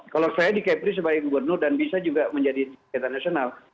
kalau saya di kepri sebagai gubernur dan bisa juga menjadi kegiatan nasional